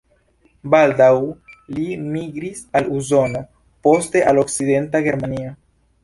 Baldaŭ li migris al Usono, poste al Okcidenta Germanio.